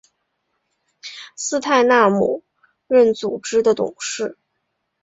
斯泰纳姆任组织的董事。